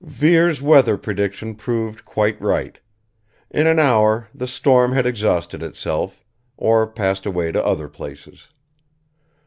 Vere's weather prediction proved quite right. In an hour the storm had exhausted itself, or passed away to other places.